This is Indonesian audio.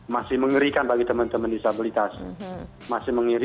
masih mengerikan bagi teman teman disabilitas